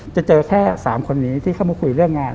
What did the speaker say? จะเจอแค่๓คนนี้ที่เข้ามาคุยเรื่องงาน